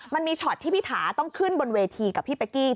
มันมีช็อตที่พี่ถาต้องขึ้นบนเวทีกับพี่เป๊กกี้